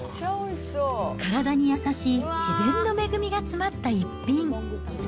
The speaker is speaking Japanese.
体に優しい自然の恵みが詰まった逸品。